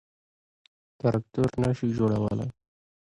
تراکتور نه شي جوړولای.